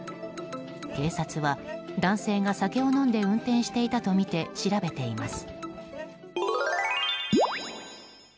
警察は男性が酒を飲んで運転していたとみて調べています。